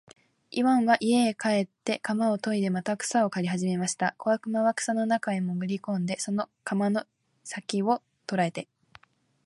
イワンは家へ帰って鎌をといでまた草を刈りはじめました。小悪魔は草の中へもぐり込んで、その鎌の先きを捉えて、